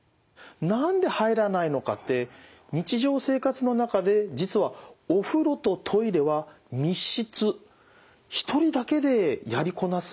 何で入らないのかって日常生活の中で実はお風呂とトイレは密室１人だけでやりこなす